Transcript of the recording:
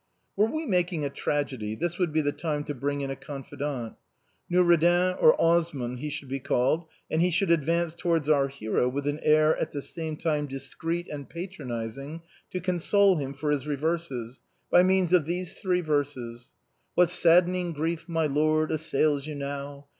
Were we making a tragedy, this would be the time to bring in a confidant. Noureddin or Osman he should be called, and he should advance towards our hero with an air at the same time discreet and patronizing, To console him for his reverses, By means of these three verses :" What saddening grief, my Lord, assails you now?